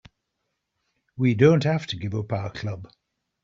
We don't have to give up our club.